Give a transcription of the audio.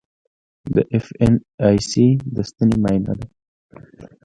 د ایف این ای سي د ستنې معاینه ده.